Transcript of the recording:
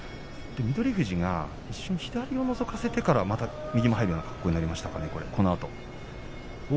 富士が左をのぞかせてから右が入るような格好になりました。